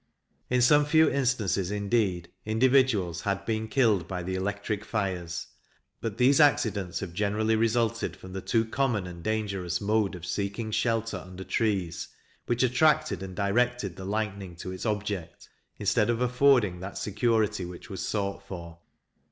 In some few instances, indeed, individuals had been killed by the electric fires, but these accidents have generally resulted from the too common and dangerous mode of seeking shelter under trees, which attracted and directed the lightning to its object, instead of affording that security which was sought for.